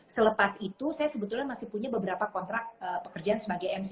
selepas itu saya sebetulnya masih punya beberapa kontrak pekerjaan sebagai mc